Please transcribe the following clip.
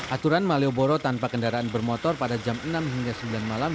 aturan malioboro tanpa kendaraan bermotor pada jam enam hingga sembilan malam